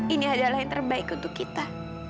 ini adalah yang terbaik untuk kita